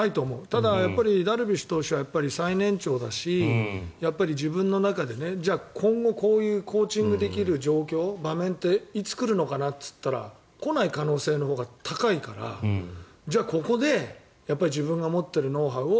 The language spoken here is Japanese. ただ、ダルビッシュ投手は最年長だし自分の中で今後、こういうコーチングできる状況、場面っていつ来るのかなっていったら来ない可能性のほうが高いからじゃあ、ここで自分が持っているノウハウを